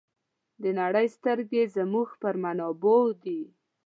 د نړۍ سترګې زموږ پر منابعو دي.